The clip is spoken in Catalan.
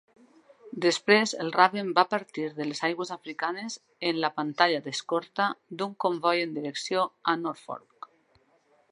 Després, el Raven va partir de les aigües africanes en la pantalla d'escorta d'un comboi en direcció a Norfolk.